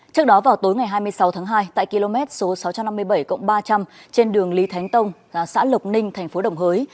trước đó vào tối ngày hai mươi sáu tháng hai tại km số sáu trăm năm mươi bảy ba trăm linh trên đường lý thánh tông xã lộc ninh thành phố đồng hới